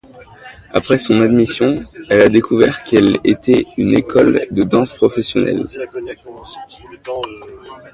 Après son admission, elle a découvert qu'elle était une école de danse professionnelle.